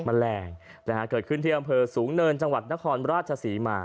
แมลงนะฮะเกิดขึ้นที่อำเภอสูงเนินจังหวัดนครราชศรีมา